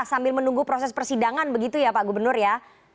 sambil menunggu proses persidangan begitu ya pak gubernur ya